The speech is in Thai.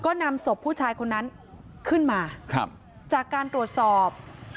ก็นำศพผู้ชายคนนั้นขึ้นมาครับจากการตรวจสอบ